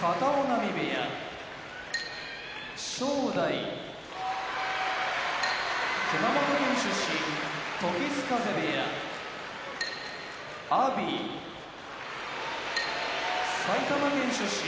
正代熊本県出身時津風部屋阿炎埼玉県出身